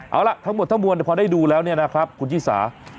เอาล่ะทั้งหมดทั้งมวลพอได้ดูแล้วเนี่ยนะครับคุณชิสา